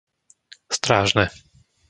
Strážne